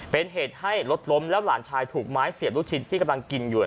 เป็นเหตุให้รถล้มแล้วหลานชายถูกไม้เสียบลูกชิ้นที่กำลังกินอยู่